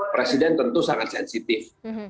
presiden tentu sangat sensitif